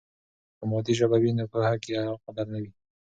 که مادي ژبه وي نو په پوهه کې غدر نه وي.